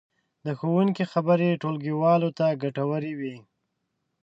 د ښوونکي خبرې ټولګیوالو ته ګټورې وې.